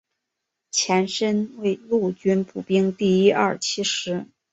前身为陆军步兵第一二七师